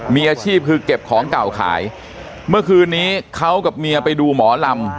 มีอาชีพคือเก็บของเก่าขายเมื่อคืนนี้เขากับเมียไปดูหมอลำ